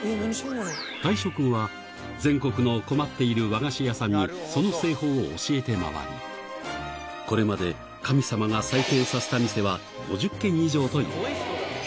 退職後は、全国の困っている和菓子屋さんにその製法を教えて回り、これまで神様が再建させた店は、５０軒以上という。